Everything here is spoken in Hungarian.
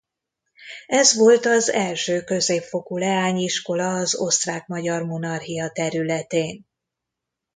Ez volt az első középfokú leányiskola az Osztrák–Magyar Monarchia területén.